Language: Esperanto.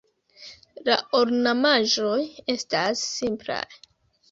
La ornamaĵoj estas simplaj.